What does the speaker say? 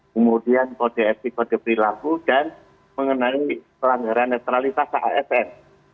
kemudian kode etik kode perilaku dan mengenai pelanggaran netralitas asn